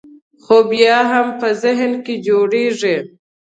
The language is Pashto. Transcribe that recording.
خو بیا هم په ذهن کې جوړېږي.